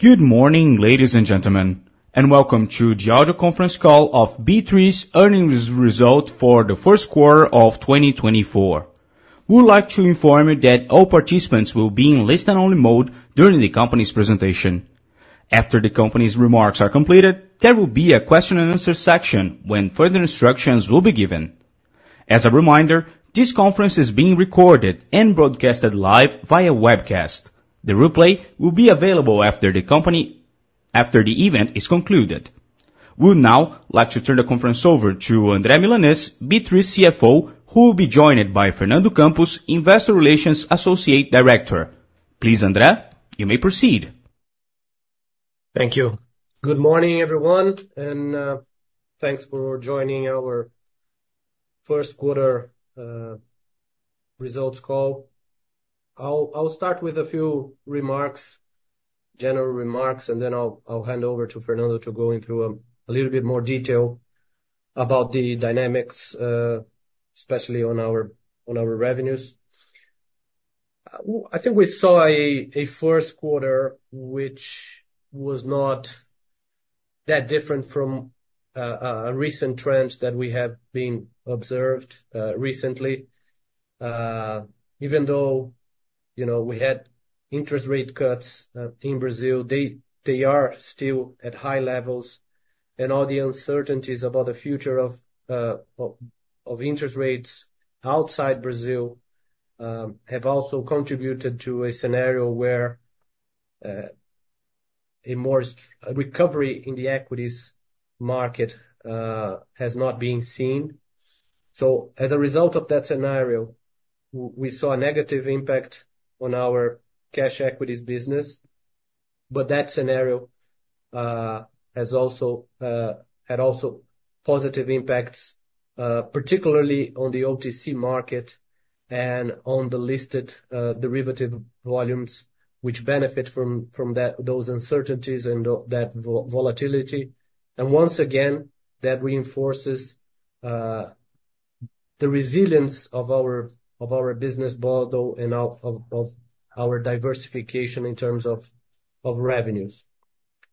Good morning, ladies and gentlemen, and welcome to the Audio Conference Call of B3's Earnings Result For the First Quarter of 2024. We would like to inform you that all participants will be in listen-only mode during the company's presentation. After the company's remarks are completed, there will be a Q&A section when further instructions will be given. As a reminder, this conference is being recorded and broadcast live via webcast. The replay will be available after the event is concluded. We would now like to turn the conference over to André Milanez, B3's CFO, who will be joined by Fernando Campos, Investor Relations Associate Director. Please, André, you may proceed. Thank you. Good morning, everyone, and thanks for joining our first quarter results call. I'll start with a few general remarks, and then I'll hand over to Fernando to go in through a little bit more detail about the dynamics, especially on our revenues. I think we saw a first quarter which was not that different from recent trends that we have been observing recently. Even though we had interest rate cuts in Brazil, they are still at high levels, and all the uncertainties about the future of interest rates outside Brazil have also contributed to a scenario where a recovery in the equities market has not been seen. So as a result of that scenario, we saw a negative impact on our cash equities business, but that scenario had also positive impacts, particularly on the OTC market and on the listed derivative volumes, which benefit from those uncertainties and that volatility. And once again, that reinforces the resilience of our business model and of our diversification in terms of revenues.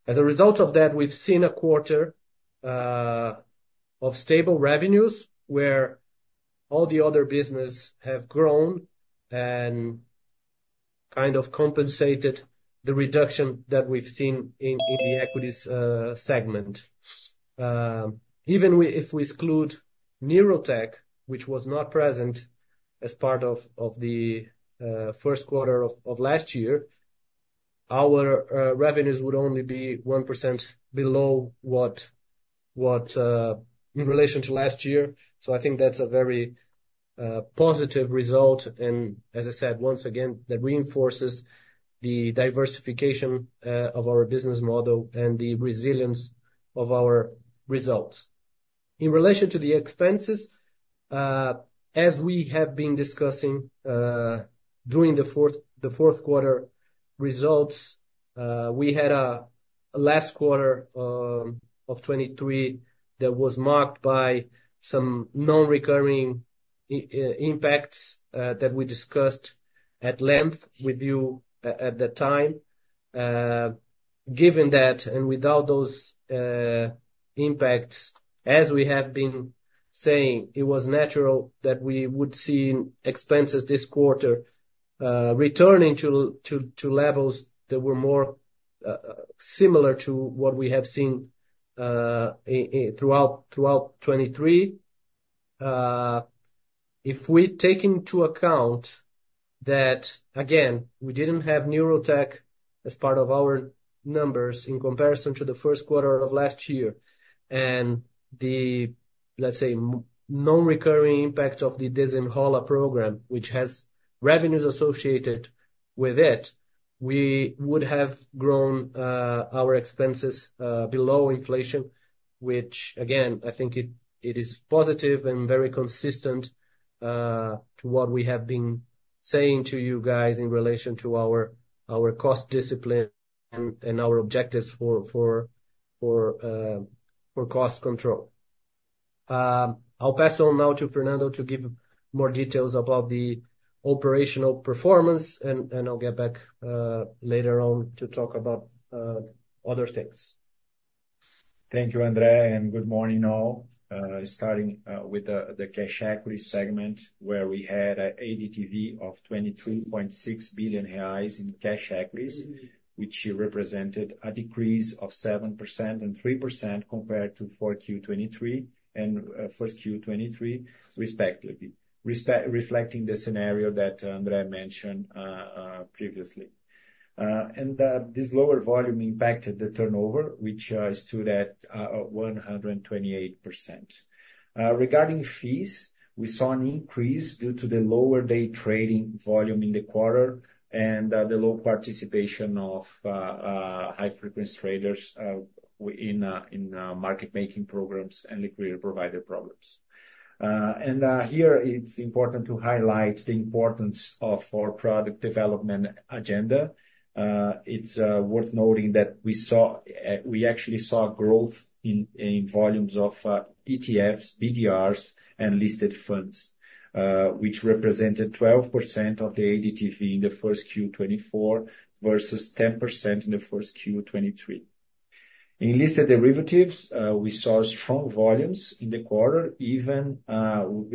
As a result of that, we've seen a quarter of stable revenues where all the other business have grown and kind of compensated the reduction that we've seen in the equities segment. Even if we exclude Neurotech, which was not present as part of the 1st quarter of last year, our revenues would only be 1% below what in relation to last year. So I think that's a very positive result, and as I said, once again, that reinforces the diversification of our business model and the resilience of our results. In relation to the expenses, as we have been discussing during the 4th quarter results, we had a last quarter of 2023 that was marked by some non-recurring impacts that we discussed at length with you at that time. Given that and without those impacts, as we have been saying, it was natural that we would see expenses this quarter returning to levels that were more similar to what we have seen throughout 2023. If we take into account that, again, we didn't have Neurotech as part of our numbers in comparison to the 1st quarter of last year and the, let's say, non-recurring impact of the Desenrola program, which has revenues associated with it, we would have grown our expenses below inflation, which, again, I think it is positive and very consistent to what we have been saying to you guys in relation to our cost discipline and our objectives for cost control. I'll pass on now to Fernando to give more details about the operational performance, and I'll get back later on to talk about other things. Thank you, André, and good morning all. Starting with the cash equities segment, where we had an ADTV of 23.6 billion reais in cash equities, which represented a decrease of 7% and 3% compared to 1Q22 respectively, reflecting the scenario that André mentioned previously. This lower volume impacted the turnover, which stood at 128%. Regarding fees, we saw an increase due to the lower day trading volume in the quarter and the low participation of high-frequency traders in market-making programs and liquidity provider programs. Here, it's important to highlight the importance of our product development agenda. It's worth noting that we actually saw growth in volumes of ETFs, BDRs, and listed funds, which represented 12% of the ADTV in the 1Q22 versus 10% in the 1Q21. In listed derivatives, we saw strong volumes in the quarter, even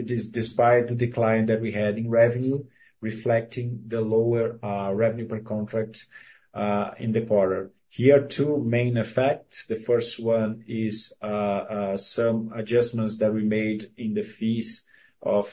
despite the decline that we had in revenue, reflecting the lower revenue per contract in the quarter. Here are two main effects. The first one is some adjustments that we made in the fees of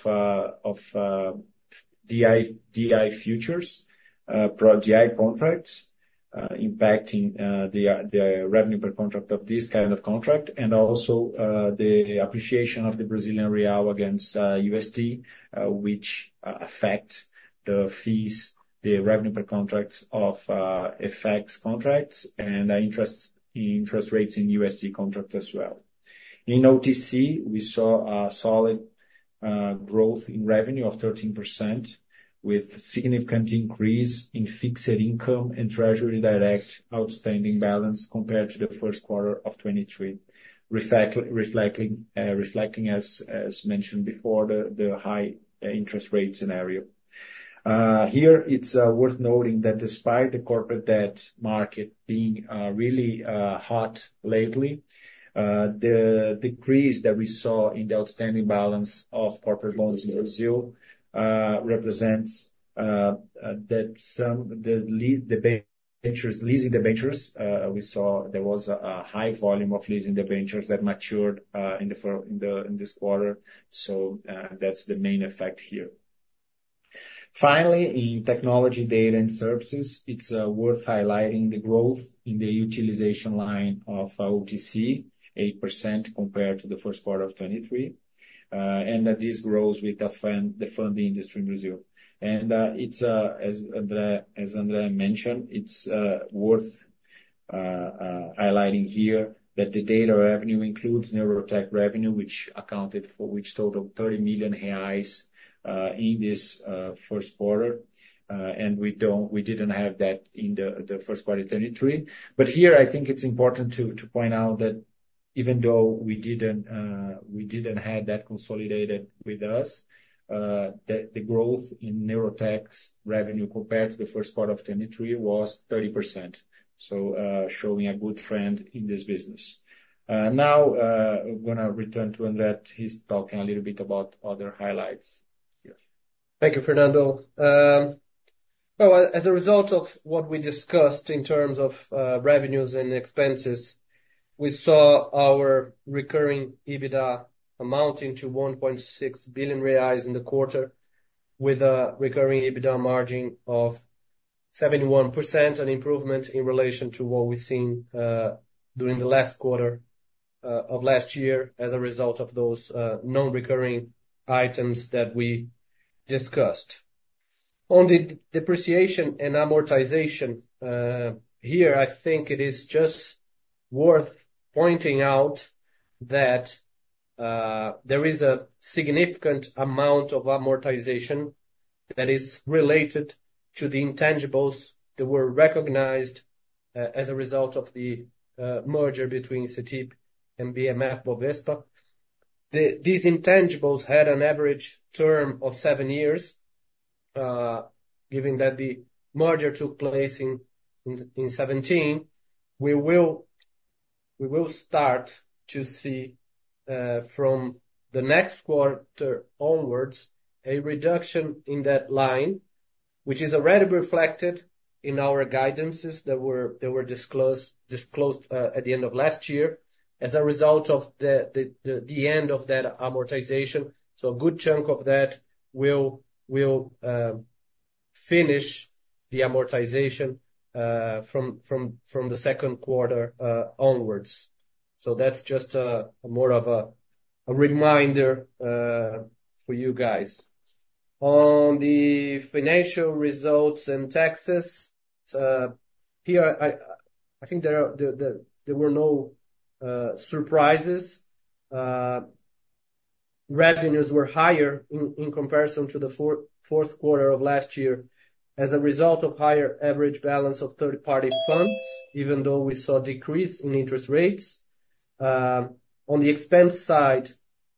DI futures, DI contracts, impacting the revenue per contract of this kind of contract, and also the appreciation of the Brazilian real against USD, which affects the fees, the revenue per contract of FX contracts, and interest rates in USD contracts as well. In OTC, we saw a solid growth in revenue of 13%, with a significant increase in fixed income and Treasury Direct outstanding balance compared to the 1st quarter of 2023, reflecting, as mentioned before, the high interest rate scenario. Here, it's worth noting that despite the corporate debt market being really hot lately, the decrease that we saw in the outstanding balance of corporate loans in Brazil represents that some of the leasing debentures we saw, there was a high volume of leasing debentures that matured in this quarter. So that's the main effect here. Finally, in technology, data, and services, it's worth highlighting the growth in the utilization line of OTC, 8% compared to the 1st quarter of 2023, and that this grows with the funding industry in Brazil. And as André mentioned, it's worth highlighting here that the data revenue includes Neurotech revenue, which accounted for which totaled 30 million reais in this 1st quarter. And we didn't have that in the 1st quarter of 2023. But here, I think it's important to point out that even though we didn't have that consolidated with us, the growth in Neurotech's revenue compared to the first quarter of 2023 was 30%, so showing a good trend in this business. Now, I'm going to return to André. He's talking a little bit about other highlights here. Thank you, Fernando. Well, as a result of what we discussed in terms of revenues and expenses, we saw our recurring EBITDA amounting to 1.6 billion reais in the quarter, with a recurring EBITDA margin of 71%, an improvement in relation to what we've seen during the last quarter of last year as a result of those non-recurring items that we discussed. On the depreciation and amortization here, I think it is just worth pointing out that there is a significant amount of amortization that is related to the intangibles that were recognized as a result of the merger between CETIP and BM&FBOVESPA. These intangibles had an average term of seven years. Given that the merger took place in 2017, we will start to see from the next quarter onwards a reduction in that line, which is already reflected in our guidances that were disclosed at the end of last year as a result of the end of that amortization. So a good chunk of that will finish the amortization from the second quarter onwards. So that's just more of a reminder for you guys. On the financial results and taxes, here, I think there were no surprises. Revenues were higher in comparison to the 4th quarter of last year as a result of a higher average balance of third-party funds, even though we saw a decrease in interest rates. On the expense side,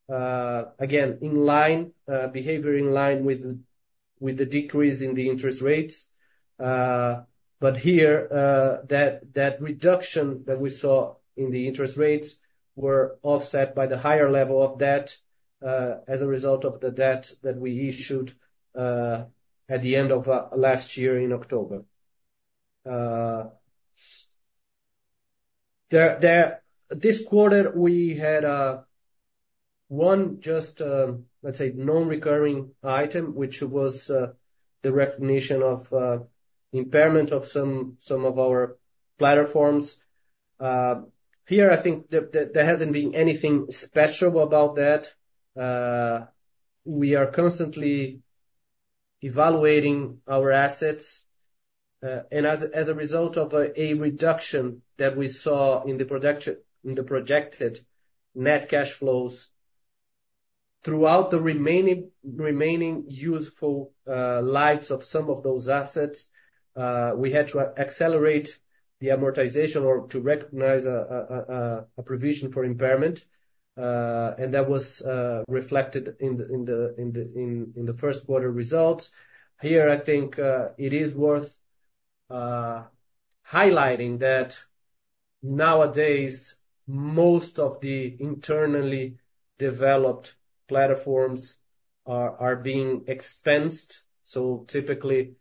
again, behavior in line with the decrease in the interest rates. But here, that reduction that we saw in the interest rates was offset by the higher level of debt as a result of the debt that we issued at the end of last year in October. This quarter, we had one, let's say, non-recurring item, which was the recognition of impairment of some of our platforms. Here, I think there hasn't been anything special about that. We are constantly evaluating our assets. And as a result of a reduction that we saw in the projected net cash flows throughout the remaining useful lives of some of those assets, we had to accelerate the amortization or to recognize a provision for impairment. And that was reflected in the first quarter results. Here, I think it is worth highlighting that nowadays, most of the internally developed platforms are being expensed. Typically,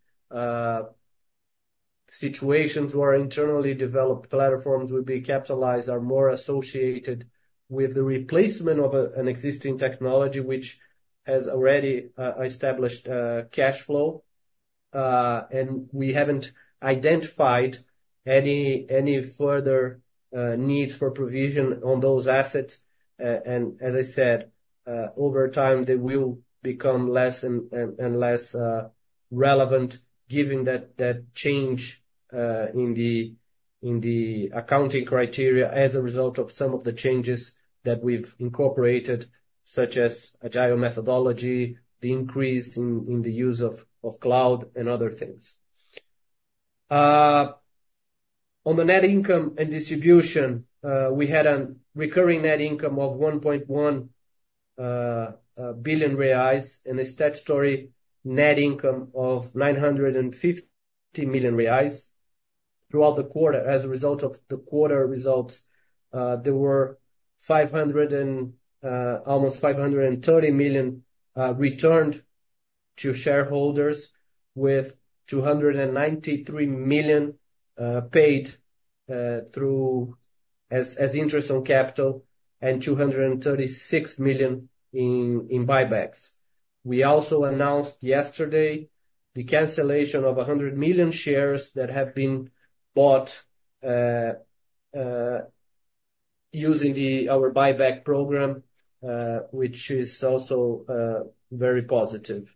situations where internally developed platforms would be capitalized are more associated with the replacement of an existing technology, which has already established cash flow. We haven't identified any further needs for provision on those assets. As I said, over time, they will become less and less relevant, given that change in the accounting criteria as a result of some of the changes that we've incorporated, such as Agile methodology, the increase in the use of cloud, and other things. On the net income and distribution, we had a recurring net income of 1.1 billion reais and a statutory net income of 950 million reais throughout the quarter. As a result of the quarter results, there were almost 530 million returned to shareholders, with 293 million paid as interest on capital and 236 million in buybacks. We also announced yesterday the cancellation of 100 million shares that have been bought using our buyback program, which is also very positive.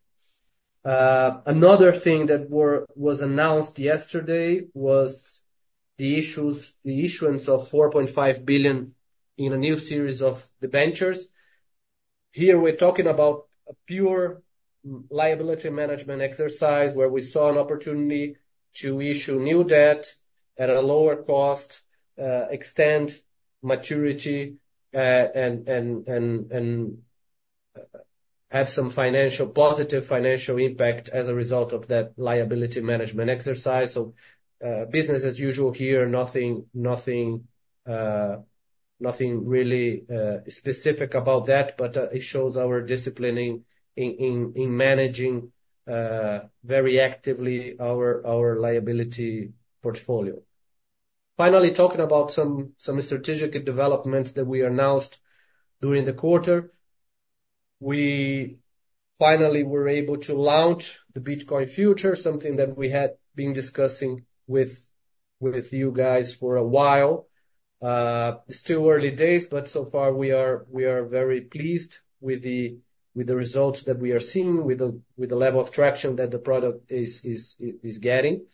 Another thing that was announced yesterday was the issuance of 4.5 billion in a new series of debentures. Here, we're talking about a pure liability management exercise where we saw an opportunity to issue new debt at a lower cost, extend maturity, and have some positive financial impact as a result of that liability management exercise. So business as usual here, nothing really specific about that, but it shows our discipline in managing very actively our liability portfolio. Finally, talking about some strategic developments that we announced during the quarter, we finally were able to launch the Bitcoin Futures, something that we had been discussing with you guys for a while. It's still early days, but so far, we are very pleased with the results that we are seeing, with the level of traction that the product is getting.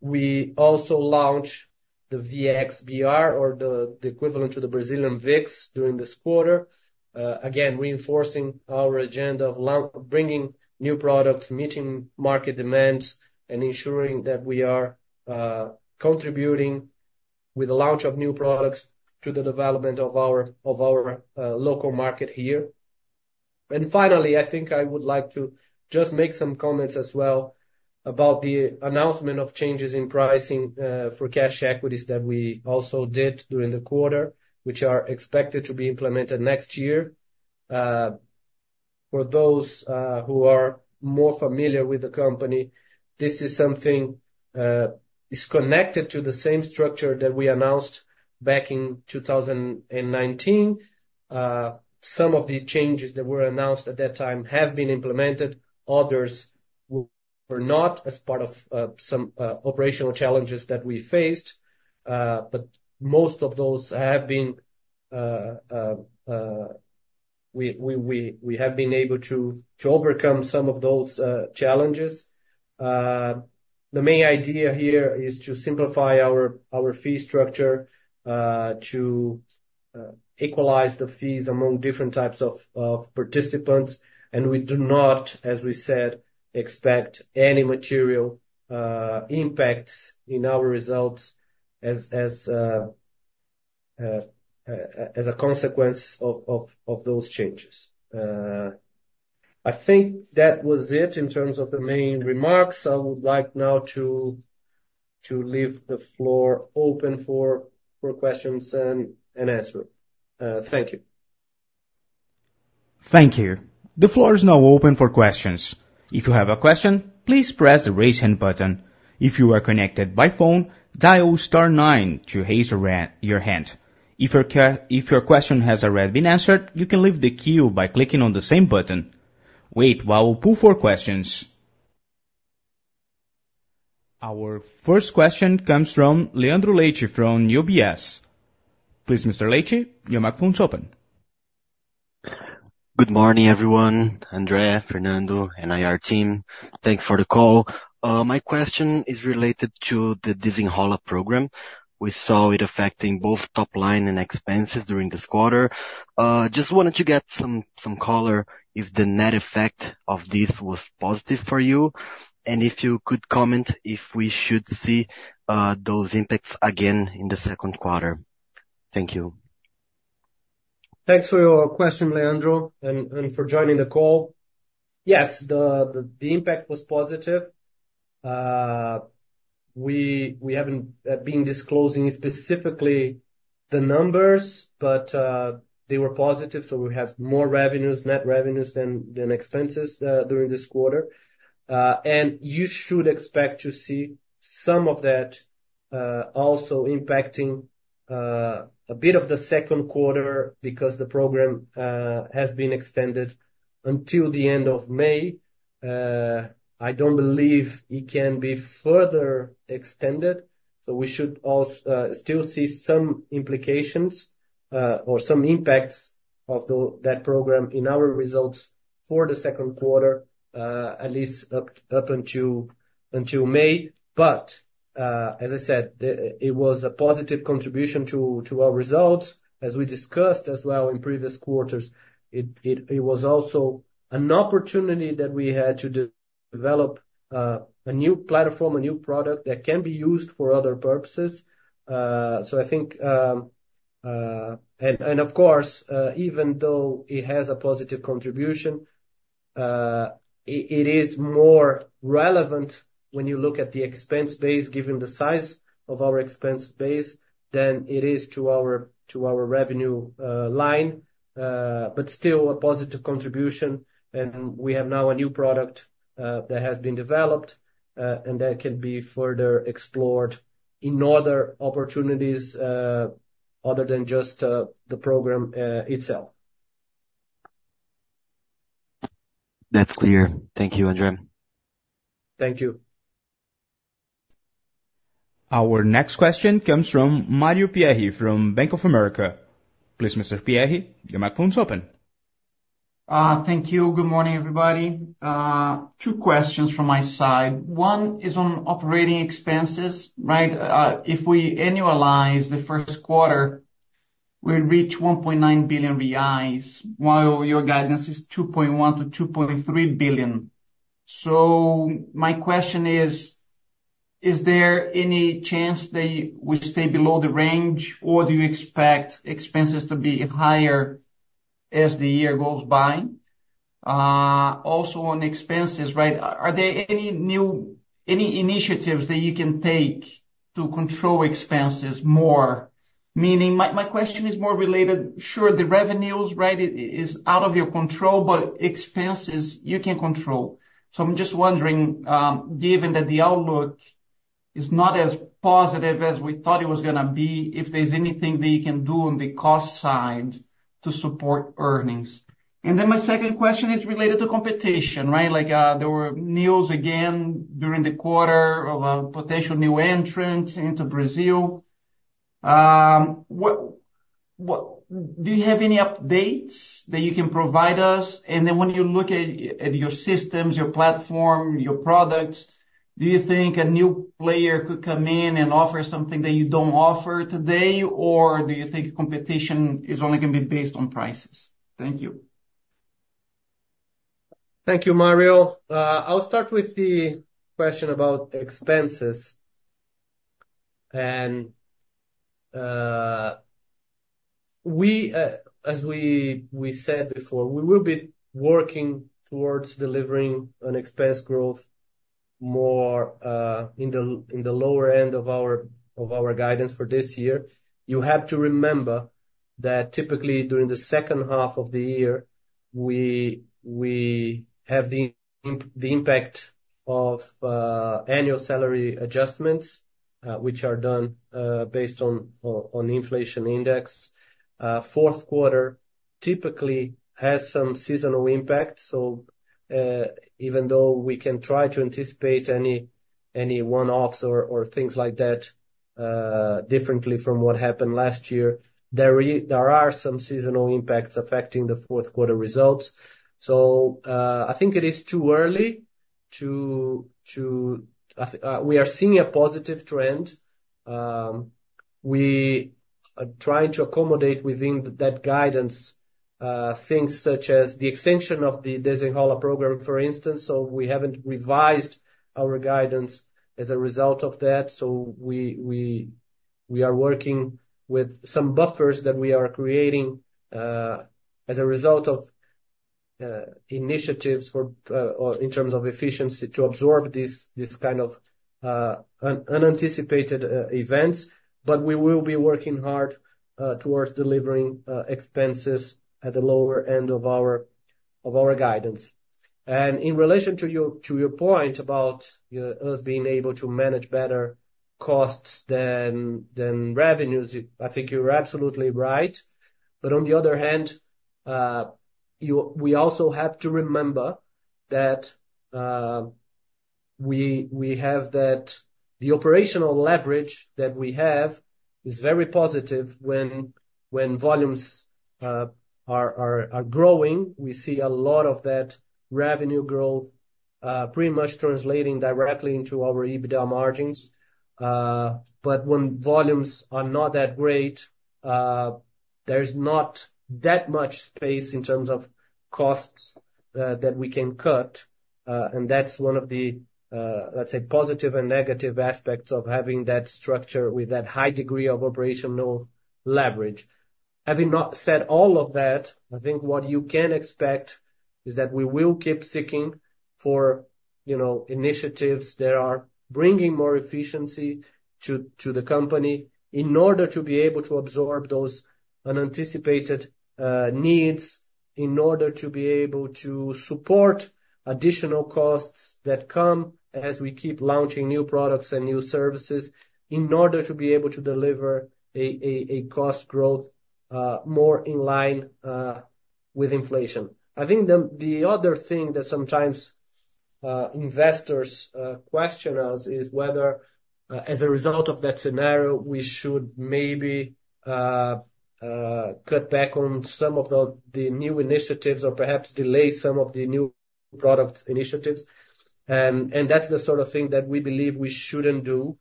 We also launched the VXBR, or the equivalent to the Brazilian VIX, during this quarter, again, reinforcing our agenda of bringing new products, meeting market demands, and ensuring that we are contributing with the launch of new products to the development of our local market here. And finally, I think I would like to just make some comments as well about the announcement of changes in pricing for cash equities that we also did during the quarter, which are expected to be implemented next year. For those who are more familiar with the company, this is something that is connected to the same structure that we announced back in 2019. Some of the changes that were announced at that time have been implemented. Others were not, as part of some operational challenges that we faced. But most of those we have been able to overcome some of those challenges. The main idea here is to simplify our fee structure, to equalize the fees among different types of participants. We do not, as we said, expect any material impacts in our results as a consequence of those changes. I think that was it in terms of the main remarks. I would like now to leave the floor open for questions and answers. Thank you. Thank you. The floor is now open for questions. If you have a question, please press the raise hand button. If you are connected by phone, dial star nine to raise your hand. If your question has already been answered, you can leave the queue by clicking on the same button. Wait while we pull four questions. Our first question comes from Leandro Leite from UBS. Please, Mr. Leite, your microphone is open. Good morning, everyone. André, Fernando, and IR team. Thanks for the call. My question is related to the Desenrola Brasil program. We saw it affecting both top line and expenses during this quarter. Just wanted to get some color if the net effect of this was positive for you and if you could comment if we should see those impacts again in the second quarter. Thank you. Thanks for your question, Leandro, and for joining the call. Yes, the impact was positive. We haven't been disclosing specifically the numbers, but they were positive, so we have more net revenues than expenses during this quarter. You should expect to see some of that also impacting a bit of the second quarter because the program has been extended until the end of May. I don't believe it can be further extended. We should still see some implications or some impacts of that program in our results for the second quarter, at least up until May. But as I said, it was a positive contribution to our results. As we discussed as well in previous quarters, it was also an opportunity that we had to develop a new platform, a new product that can be used for other purposes. So I think and of course, even though it has a positive contribution, it is more relevant when you look at the expense base, given the size of our expense base, than it is to our revenue line, but still a positive contribution. And we have now a new product that has been developed, and that can be further explored in other opportunities other than just the program itself. That's clear. Thank you, André. Thank you. Our next question comes from Mario Pierri from Bank of America. Please, Mr. Pierri, your microphone is open. Thank you. Good morning, everybody. Two questions from my side. One is on operating expenses, right? If we annualize the first quarter, we reach 1.9 billion reais, while your guidance is 2.1 billion-2.3 billion. So my question is, is there any chance that we stay below the range, or do you expect expenses to be higher as the year goes by? Also, on expenses, right, are there any initiatives that you can take to control expenses more? Meaning, my question is more related, sure, the revenues, right, is out of your control, but expenses, you can control. So I'm just wondering, given that the outlook is not as positive as we thought it was going to be, if there's anything that you can do on the cost side to support earnings. And then my second question is related to competition, right? There were news again during the quarter of a potential new entrant into Brazil. Do you have any updates that you can provide us? And then when you look at your systems, your platform, your products, do you think a new player could come in and offer something that you don't offer today, or do you think competition is only going to be based on prices? Thank you. Thank you, Mario. I'll start with the question about expenses. As we said before, we will be working towards delivering an expense growth more in the lower end of our guidance for this year. You have to remember that typically, during the second half of the year, we have the impact of annual salary adjustments, which are done based on the inflation index. Fourth quarter typically has some seasonal impact. Even though we can try to anticipate any one-offs or things like that differently from what happened last year, there are some seasonal impacts affecting the fourth quarter results. So I think it is too early to we are seeing a positive trend. We are trying to accommodate within that guidance things such as the extension of the Desenrola Brasil program, for instance. We haven't revised our guidance as a result of that. So we are working with some buffers that we are creating as a result of initiatives in terms of efficiency to absorb this kind of unanticipated events. We will be working hard towards delivering expenses at the lower end of our guidance. In relation to your point about us being able to manage better costs than revenues, I think you're absolutely right. On the other hand, we also have to remember that we have the operational leverage that we have is very positive. When volumes are growing, we see a lot of that revenue growth pretty much translating directly into our EBITDA margins. When volumes are not that great, there's not that much space in terms of costs that we can cut. That's one of the, let's say, positive and negative aspects of having that structure with that high degree of operational leverage. Having not said all of that, I think what you can expect is that we will keep seeking for initiatives that are bringing more efficiency to the company in order to be able to absorb those unanticipated needs, in order to be able to support additional costs that come as we keep launching new products and new services, in order to be able to deliver a cost growth more in line with inflation. I think the other thing that sometimes investors question us is whether, as a result of that scenario, we should maybe cut back on some of the new initiatives or perhaps delay some of the new product initiatives. That's the sort of thing that we believe we shouldn't do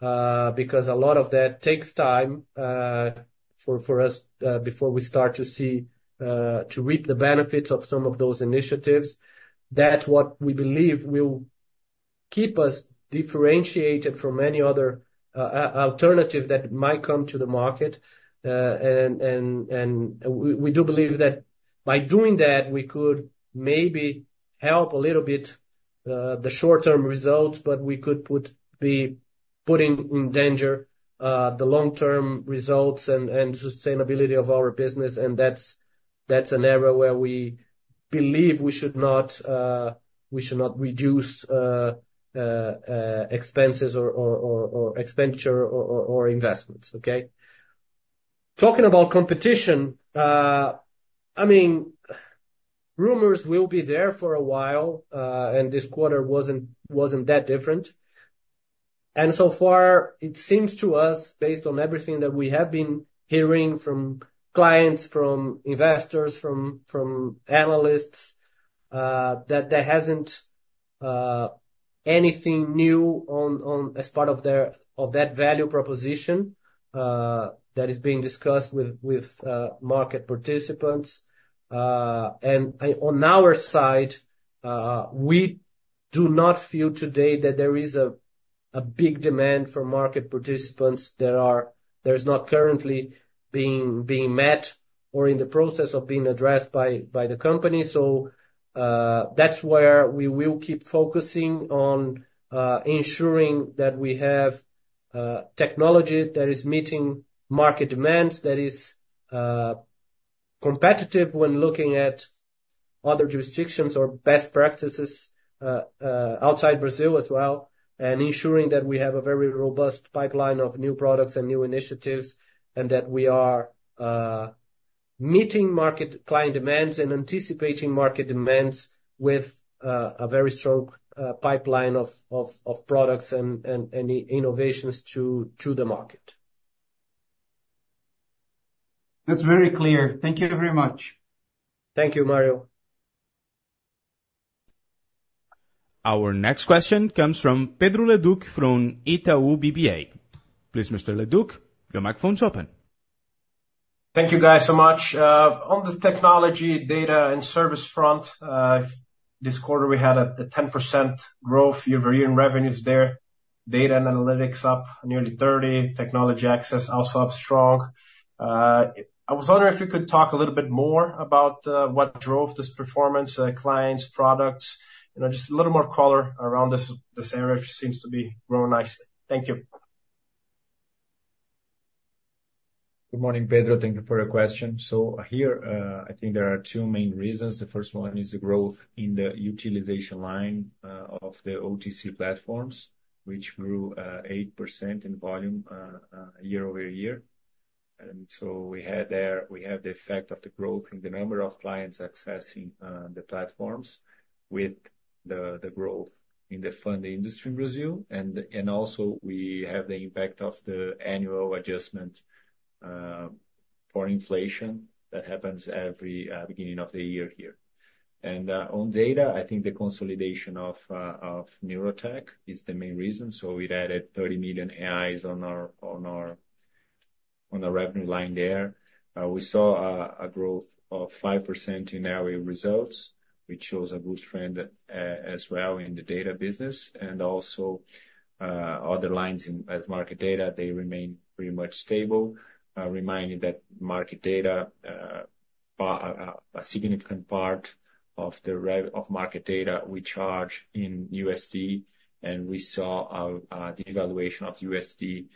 because a lot of that takes time for us before we start to reap the benefits of some of those initiatives. That's what we believe will keep us differentiated from any other alternative that might come to the market. We do believe that by doing that, we could maybe help a little bit the short-term results, but we could be putting in danger the long-term results and sustainability of our business. And that's an area where we believe we should not reduce expenses or expenditure or investments, okay? Talking about competition, I mean, rumors will be there for a while, and this quarter wasn't that different. And so far, it seems to us, based on everything that we have been hearing from clients, from investors, from analysts, that there hasn't been anything new as part of that value proposition that is being discussed with market participants. On our side, we do not feel today that there is a big demand for market participants that there's not currently being met or in the process of being addressed by the company. So that's where we will keep focusing on ensuring that we have technology that is meeting market demands, that is competitive when looking at other jurisdictions or best practices outside Brazil as well, and ensuring that we have a very robust pipeline of new products and new initiatives, and that we are meeting client demands and anticipating market demands with a very strong pipeline of products and innovations to the market. That's very clear. Thank you very much. Thank you, Mario. Our next question comes from Pedro Leduc from Itaú BBA. Please, Mr. Leduc, your microphone is open. Thank you, guys, so much. On the technology, data, and service front, this quarter, we had a 10% growth year-over-year in revenues there. Data and analytics up nearly 30%. Technology access also up strong. I was wondering if you could talk a little bit more about what drove this performance: clients, products, just a little more color around this area which seems to be growing nicely. Thank you. Good morning, Pedro. Thank you for your question. So here, I think there are two main reasons. The first one is the growth in the utilization line of the OTC platforms, which grew 8% in volume year-over-year. And so we have the effect of the growth in the number of clients accessing the platforms with the growth in the fund industry in Brazil. And also, we have the impact of the annual adjustment for inflation that happens every beginning of the year here. And on data, I think the consolidation of Neurotech is the main reason. So it added 30 million reais on our revenue line there. We saw a growth of 5% in annual results, which shows a good trend as well in the data business. And also, other lines as market data, they remain pretty much stable, reminding that market data, a significant part of market data, we charge in USD. And we saw a devaluation of USD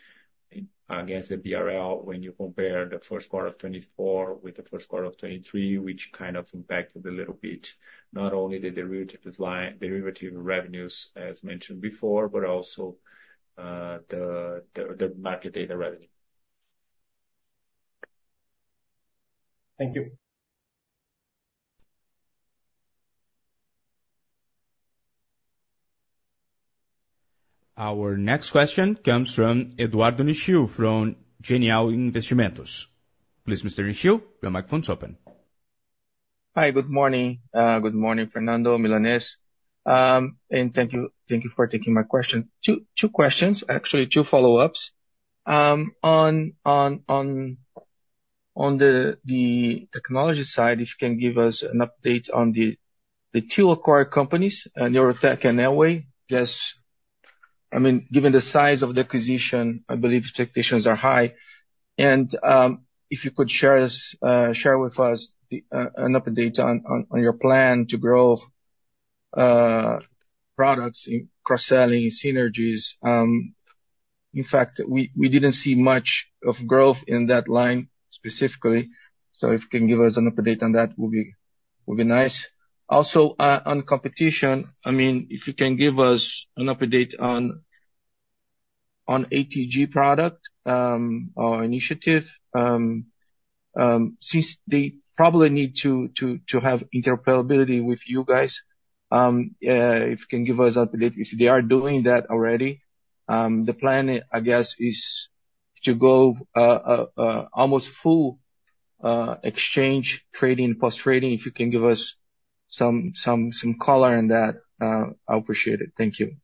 against the BRL when you compare the first quarter of 2024 with the first quarter of 2023, which kind of impacted a little bit, not only the derivative revenues, as mentioned before, but also the market data revenue. Thank you. Our next question comes from Eduardo Nishio from Genial Investimentos. Please, Mr. Nishio, your microphone is open. Hi. Good morning. Good morning, André Milanez. And thank you for taking my question. Two questions, actually, two follow-ups. On the technology side, if you can give us an update on the two core companies, Neurotech and Neoway. I mean, given the size of the acquisition, I believe expectations are high. And if you could share with us an update on your plan to grow products in cross-selling, synergies. In fact, we didn't see much of growth in that line specifically. So if you can give us an update on that, it would be nice. Also, on competition, I mean, if you can give us an update on ATG product or initiative, since they probably need to have interoperability with you guys, if you can give us an update, if they are doing that already, the plan, I guess, is to go almost full exchange trading and post-trading. If you can give us some color on that, I'll appreciate it. Thank you.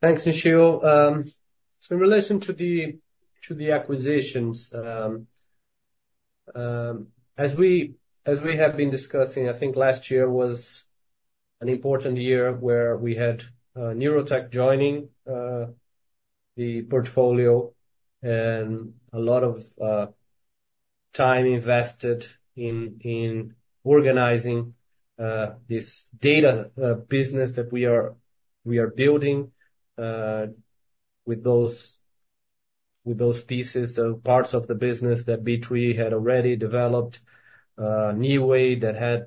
Thanks, Nishio. So in relation to the acquisitions, as we have been discussing, I think last year was an important year where we had Neurotech joining the portfolio and a lot of time invested in organizing this data business that we are building with those pieces, parts of the business that B3 had already developed, Neoway that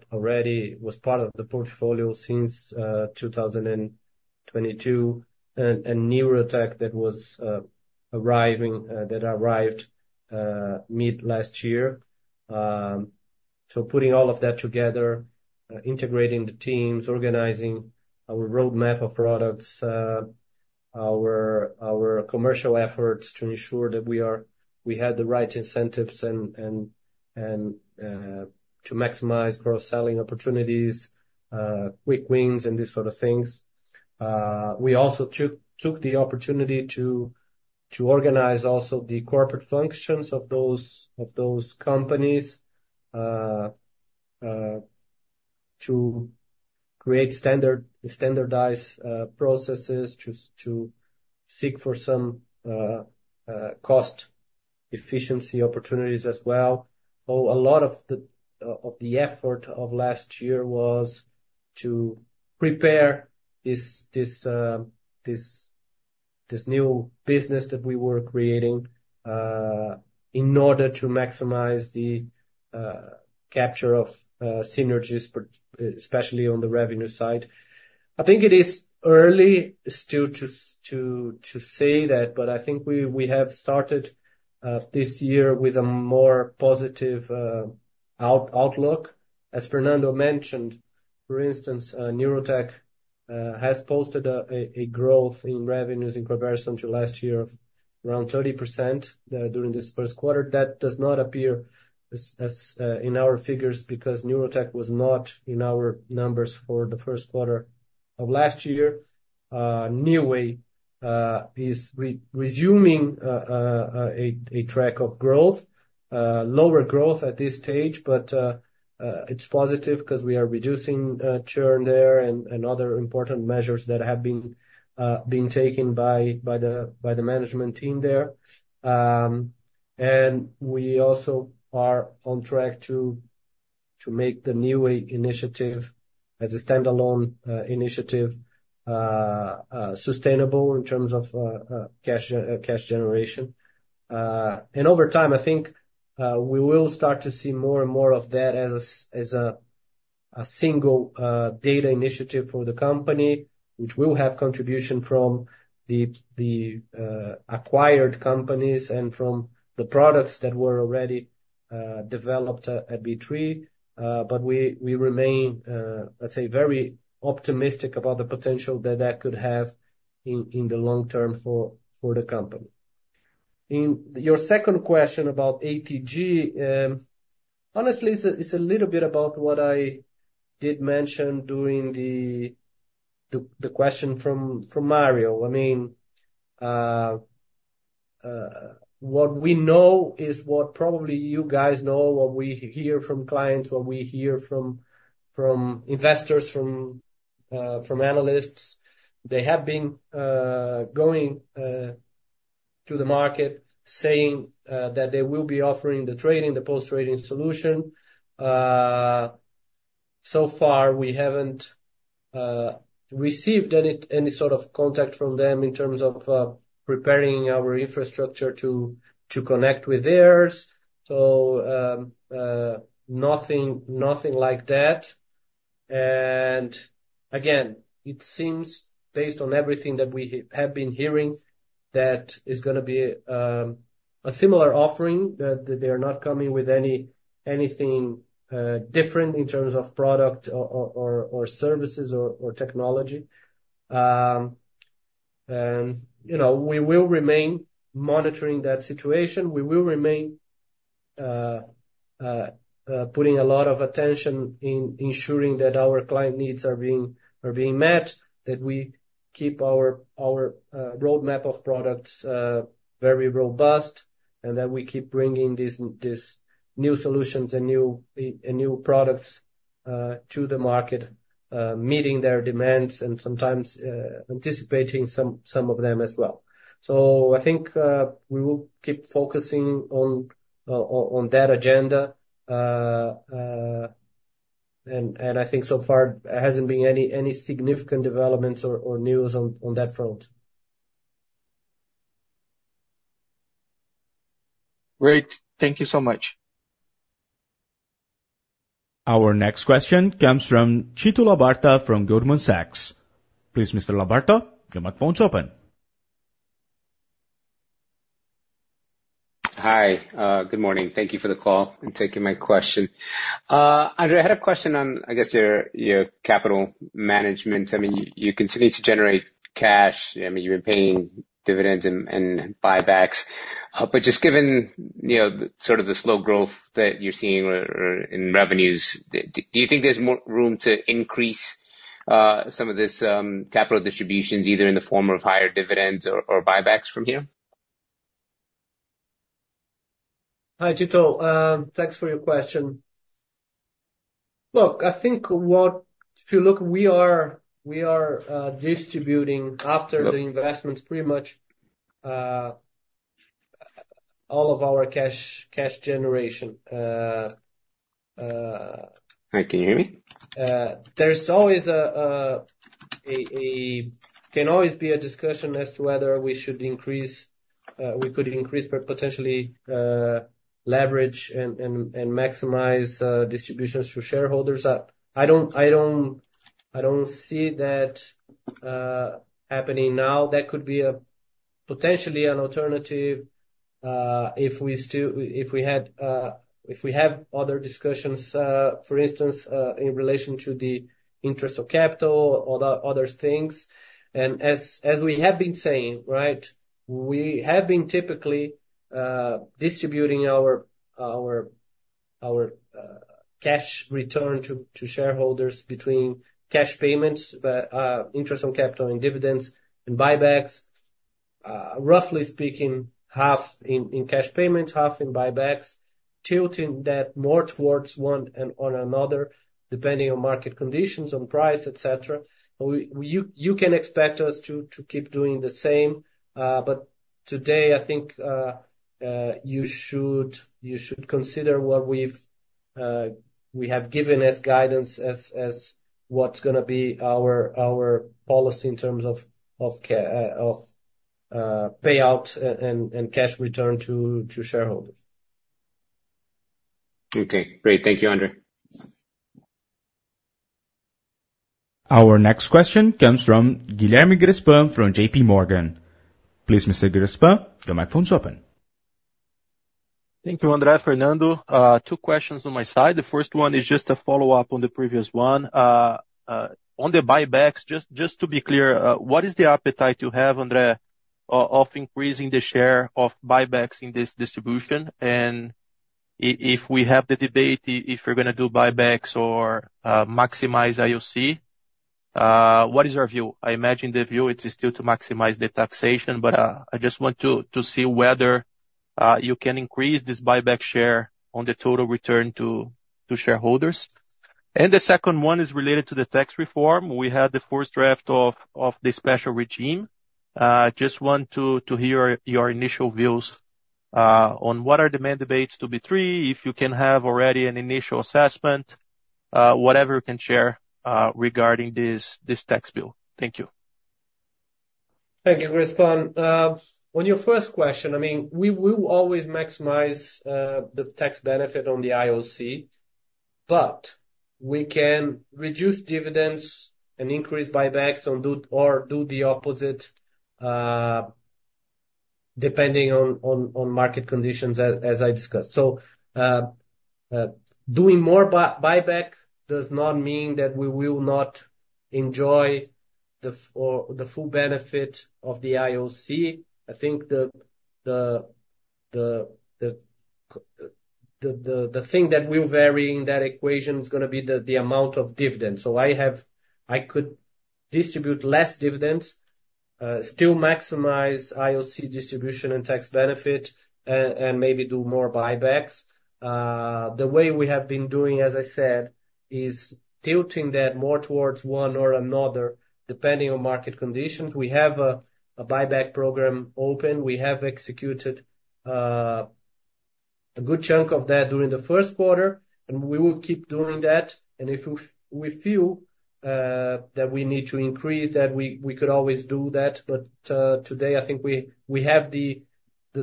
was part of the portfolio since 2022, and Neurotech that arrived mid-last year. So putting all of that together, integrating the teams, organizing our roadmap of products, our commercial efforts to ensure that we had the right incentives to maximize cross-selling opportunities, quick wins, and these sort of things. We also took the opportunity to organize also the corporate functions of those companies to create standardized processes, to seek for some cost efficiency opportunities as well. A lot of the effort of last year was to prepare this new business that we were creating in order to maximize the capture of synergies, especially on the revenue side. I think it is early still to say that, but I think we have started this year with a more positive outlook. As Fernando mentioned, for instance, Neurotech has posted a growth in revenues in comparison to last year of around 30% during this first quarter. That does not appear in our figures because Neurotech was not in our numbers for the first quarter of last year. Neoway is resuming a track of growth, lower growth at this stage, but it's positive because we are reducing churn there and other important measures that have been taken by the management team there. We also are on track to make the Neoway initiative as a standalone initiative sustainable in terms of cash generation. Over time, I think we will start to see more and more of that as a single data initiative for the company, which will have contribution from the acquired companies and from the products that were already developed at B3. But we remain, let's say, very optimistic about the potential that that could have in the long term for the company. In your second question about ATG, honestly, it's a little bit about what I did mention during the question from Mario. I mean, what we know is what probably you guys know, what we hear from clients, what we hear from investors, from analysts. They have been going to the market saying that they will be offering the trading, the post-trading solution. So far, we haven't received any sort of contact from them in terms of preparing our infrastructure to connect with theirs. So nothing like that. And again, it seems, based on everything that we have been hearing, that it's going to be a similar offering, that they are not coming with anything different in terms of product or services or technology. And we will remain monitoring that situation. We will remain putting a lot of attention in ensuring that our client needs are being met, that we keep our roadmap of products very robust, and that we keep bringing these new solutions and new products to the market, meeting their demands, and sometimes anticipating some of them as well. So I think we will keep focusing on that agenda. And I think so far, there hasn't been any significant developments or news on that front. Great. Thank you so much. Our next question comes from Tito Labarta from Goldman Sachs. Please, Mr. Labarta, your microphone is open. Hi. Good morning. Thank you for the call and taking my question. André, I had a question on, I guess, your capital management. I mean, you continue to generate cash. I mean, you've been paying dividends and buybacks. But just given sort of the slow growth that you're seeing in revenues, do you think there's more room to increase some of these capital distributions, either in the form of higher dividends or buybacks from here? Hi, Tito. Thanks for your question. Look, I think if you look, we are distributing after the investments, pretty much all of our cash generation. Hi. Can you hear me? There can always be a discussion as to whether we could increase, potentially, leverage and maximize distributions to shareholders. I don't see that happening now. That could be potentially an alternative if we have other discussions, for instance, in relation to the interest on capital or other things. And as we have been saying, right, we have been typically distributing our cash return to shareholders between cash payments, interest on capital, and dividends and buybacks, roughly speaking, half in cash payments, half in buybacks, tilting that more towards one or another, depending on market conditions, on price, etc. You can expect us to keep doing the same. But today, I think you should consider what we have given as guidance as what's going to be our policy in terms of payout and cash return to shareholders. Okay. Great. Thank you, André. Our next question comes from Guilherme Grespan from J.P. Morgan. Please, Mr. Grespan, your microphone is open. Thank you, André. Fernando, two questions on my side. The first one is just a follow-up on the previous one. On the buybacks, just to be clear, what is the appetite you have, André, of increasing the share of buybacks in this distribution? And if we have the debate, if you're going to do buybacks or maximize IOC, what is your view? I imagine the view, it's still to maximize the taxation, but I just want to see whether you can increase this buyback share on the total return to shareholders. And the second one is related to the tax reform. We had the first draft of the special regime. Just want to hear your initial views on what are the mandates to B3, if you can have already an initial assessment, whatever you can share regarding this tax bill. Thank you. Thank you, Grespan. On your first question, I mean, we will always maximize the tax benefit on the IOC, but we can reduce dividends and increase buybacks or do the opposite, depending on market conditions, as I discussed. So doing more buyback does not mean that we will not enjoy the full benefit of the IOC. I think the thing that will vary in that equation is going to be the amount of dividends. So I could distribute less dividends, still maximize IOC distribution and tax benefit, and maybe do more buybacks. The way we have been doing, as I said, is tilting that more towards one or another, depending on market conditions. We have a buyback program open. We have executed a good chunk of that during the first quarter, and we will keep doing that. If we feel that we need to increase that, we could always do that. But today, I think we have the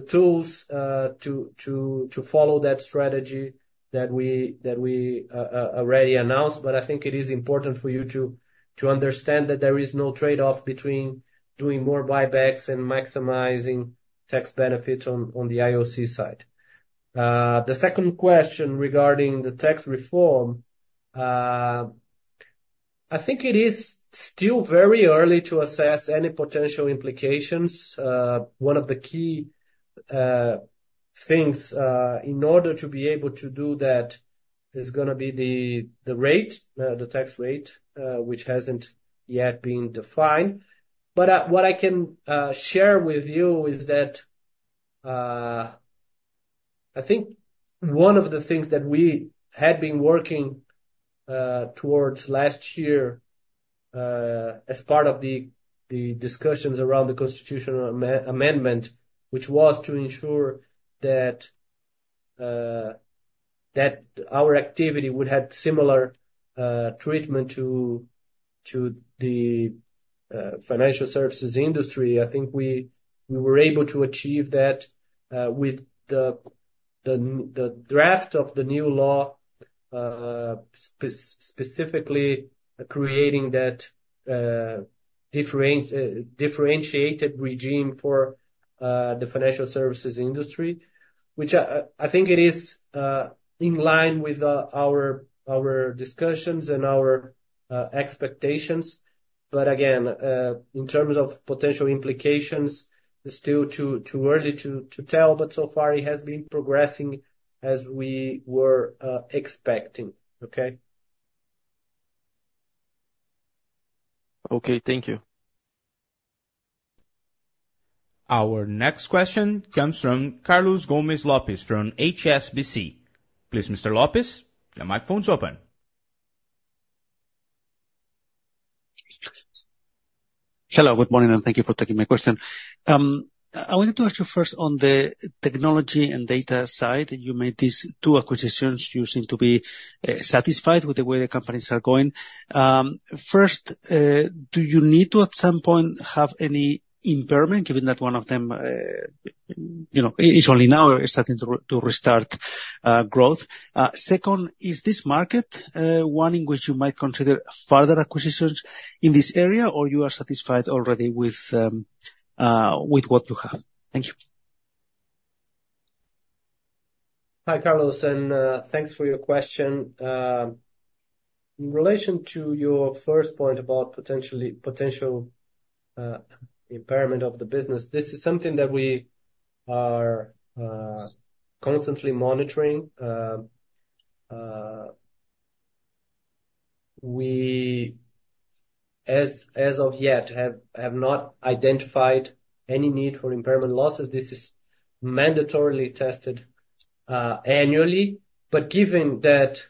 tools to follow that strategy that we already announced. But I think it is important for you to understand that there is no trade-off between doing more buybacks and maximizing tax benefits on the IOC side. The second question regarding the tax reform, I think it is still very early to assess any potential implications. One of the key things in order to be able to do that is going to be the rate, the tax rate, which hasn't yet been defined. But what I can share with you is that I think one of the things that we had been working towards last year as part of the discussions around the constitutional amendment, which was to ensure that our activity would have similar treatment to the financial services industry. I think we were able to achieve that with the draft of the new law, specifically creating that differentiated regime for the financial services industry, which I think it is in line with our discussions and our expectations. But again, in terms of potential implications, it's still too early to tell, but so far, it has been progressing as we were expecting, okay? Okay. Thank you. Our next question comes from Carlos Gomez-Lopez from HSBC. Please, Mr. Lopez, your microphone is open. Hello. Good morning, and thank you for taking my question. I wanted to ask you first on the technology and data side. You made these two acquisitions. You seem to be satisfied with the way the companies are going. First, do you need to, at some point, have any impairment, given that one of them is only now starting to restart growth? Second, is this market one in which you might consider further acquisitions in this area, or you are satisfied already with what you have? Thank you. Hi, Carlos, and thanks for your question. In relation to your first point about potential impairment of the business, this is something that we are constantly monitoring. We, as of yet, have not identified any need for impairment losses. This is mandatorily tested annually. But given that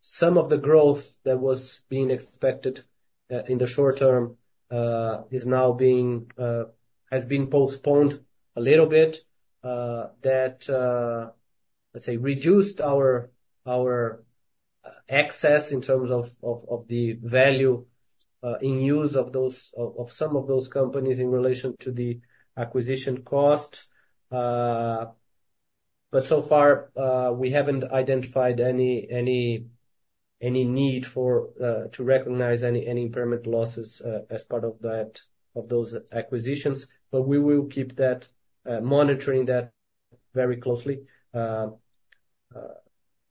some of the growth that was being expected in the short term has been postponed a little bit, that, let's say, reduced our access in terms of the value in use of some of those companies in relation to the acquisition cost. But so far, we haven't identified any need to recognize any impairment losses as part of those acquisitions. But we will keep monitoring that very closely. But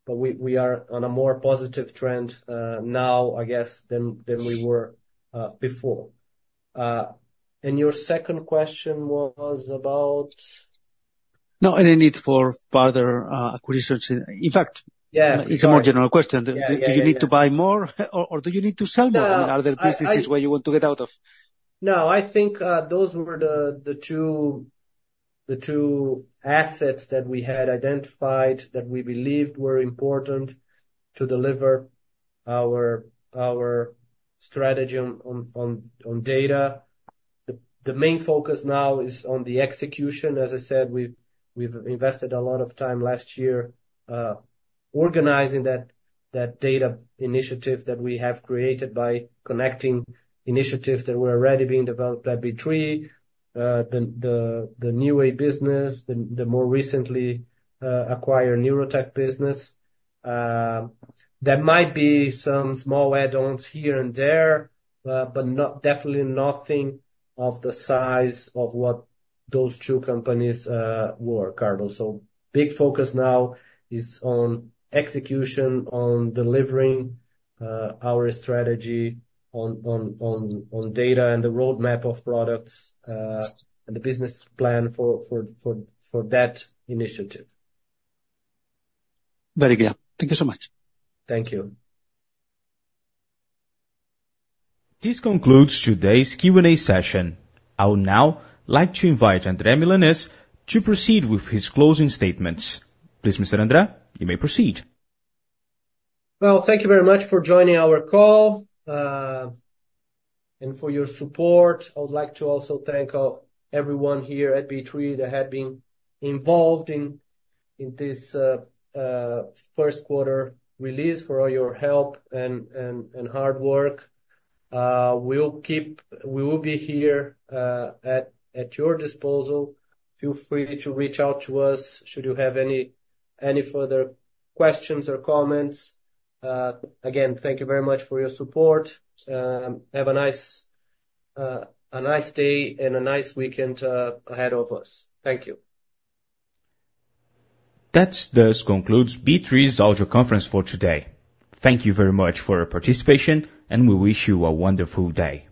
we are on a more positive trend now, I guess, than we were before. And your second question was about? No, any need for further acquisitions? In fact, it's a more general question. Do you need to buy more, or do you need to sell more? I mean, are there businesses where you want to get out of? No, I think those were the two assets that we had identified that we believed were important to deliver our strategy on data. The main focus now is on the execution. As I said, we've invested a lot of time last year organizing that data initiative that we have created by connecting initiatives that were already being developed at B3, the Neoway business, the more recently acquired Neurotech business. There might be some small add-ons here and there, but definitely nothing of the size of what those two companies were, Carlos. So big focus now is on execution, on delivering our strategy on data and the roadmap of products and the business plan for that initiative. Very good. Thank you so much. Thank you. This concludes today's Q&A session. I would now like to invite André Milanez to proceed with his closing statements. Please, Mr. André, you may proceed. Well, thank you very much for joining our call and for your support. I would like to also thank everyone here at B3 that had been involved in this first quarter release for all your help and hard work. We will be here at your disposal. Feel free to reach out to us should you have any further questions or comments. Again, thank you very much for your support. Have a nice day and a nice weekend ahead of us. Thank you. That concludes B3's audio conference for today. Thank you very much for your participation, and we wish you a wonderful day.